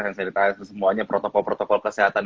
handsalitize dan semuanya protokol protokol kesehatan